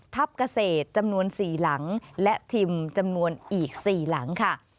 เกษตรจำนวน๔หลังและทิมจำนวนอีก๔หลังค่ะ